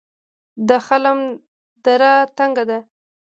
د خلم دره تنګه ده